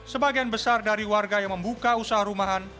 sebagian besar dari warga yang membuka usaha rumahan